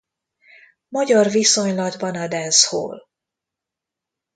Magyar viszonylatban a Dancehall